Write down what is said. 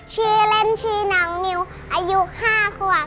ชื่อเล่นชื่อน้องนิวอายุ๕ขวบ